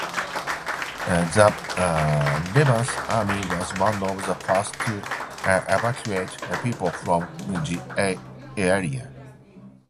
The Lebanese Army was one of the first to evacuate people from the area.